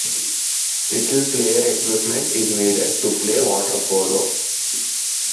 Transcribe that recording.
Little player equipment is needed to play water polo.